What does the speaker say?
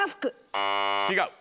違う。